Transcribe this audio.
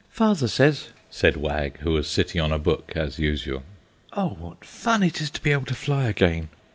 "Father says," said Wag, who was sitting on a book, as usual "Oh, what fun it is to be able to fly again!"